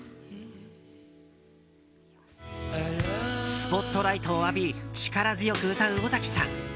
スポットライトを浴び力強く歌う尾崎さん。